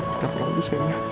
kita pulang dulu ya